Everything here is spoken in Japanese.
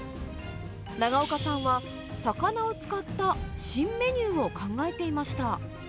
長岡さんは、魚を使った新メニューを考えていました。